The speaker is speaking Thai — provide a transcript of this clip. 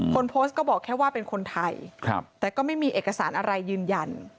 คนโพสต์ก็บอกแค่ว่าเป็นคนไทยแต่ก็ไม่มีเอกสารอะไรยืนยัน